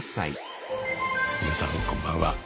皆さんこんばんは。